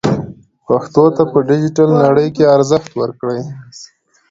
پښتو ته په ډیجیټل نړۍ کې ارزښت ورکړئ.